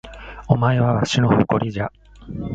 お前はわしの誇りじゃ